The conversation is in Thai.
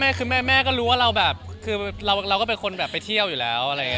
ไม่คือแม่ก็รู้ว่าเราก็เป็นคนไปเที่ยวอยู่แล้ว